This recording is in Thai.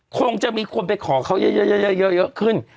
คงจะมีคนไปขอเขาเยอะขึ้น